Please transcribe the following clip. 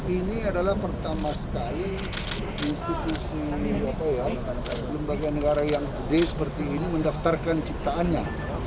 ini adalah pertama sekali institusi lembaga negara yang gede seperti ini mendaftarkan ciptaannya